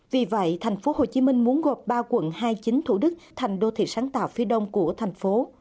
vì vậy thành phố hồ chí minh muốn gọt ba quận hai chính thủ đức thành đô thị sáng tạo phía đông của thành phố